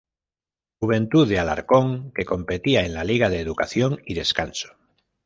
Juventud de Alcorcón, que competía en la Liga de Educación y Descanso.